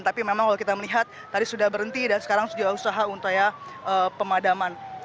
tapi memang kalau kita melihat tadi sudah berhenti dan sekarang sudah usaha untukya pemadaman